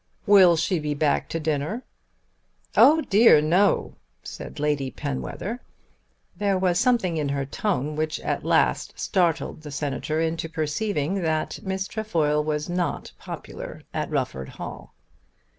"Will she be back to dinner?" "Oh dear no," said Lady Penwether. There was something in her tone which at last startled the Senator into perceiving that Miss Trefoil was not popular at Rufford Hall.